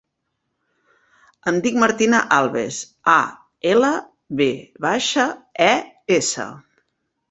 Em dic Martina Alves: a, ela, ve baixa, e, essa.